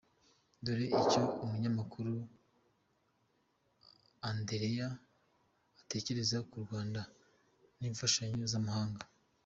Dore icyo Umunyamakuru Andereya atekereza ku Rwanda, n’imfashanyo z’amahanga